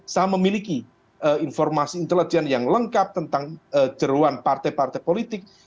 saya memiliki informasi intelijen yang lengkap tentang jeruan partai partai politik